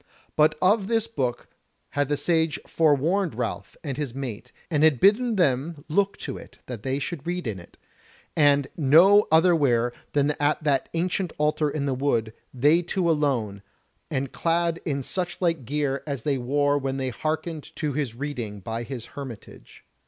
But of this book had the Sage forewarned Ralph and his mate, and had bidden them look to it that they should read in it, and no otherwhere than at that ancient altar in the wood, they two alone, and clad in such like gear as they wore when they hearkened to his reading by his hermitage.